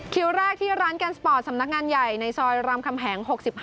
คิวแรกที่ร้านแกนสปอร์ตสำนักงานใหญ่ในซอยรามคำแหง๖๕